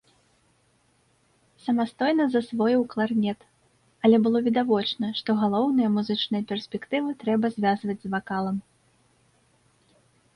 Самастойна засвоіў кларнет, але было відавочна, што галоўныя музычныя перспектывы трэба звязваць з вакалам.